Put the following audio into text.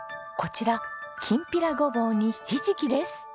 こちらきんぴらごぼうにひじきです。